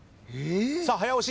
さあ早押し。